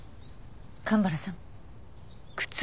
蒲原さん。